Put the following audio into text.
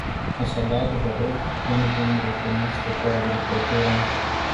Așadar, vă rog, când vom recunoaște că agricultura...